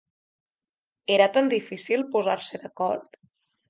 Era tan difícil posar-se d’acord?